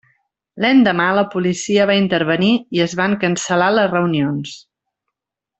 L'endemà la policia va intervenir i es van cancel·lar les reunions.